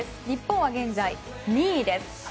日本は現在２位です。